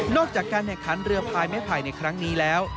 นอกจากการแห่งคันเรือพายไม้พายในครั้งนี้แล้ว